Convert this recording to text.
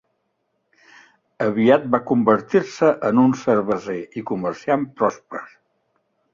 Aviat va convertir-se en un cerveser i comerciant pròsper.